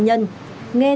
nghe thông tin